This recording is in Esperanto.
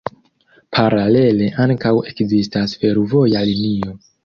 Paralele ankaŭ ekzistas fervoja linio.